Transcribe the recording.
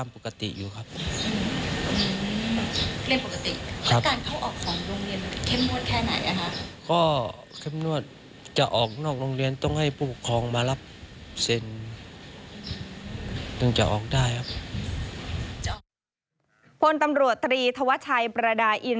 ผลตำรวจตรีทวชัยประดาห์อิน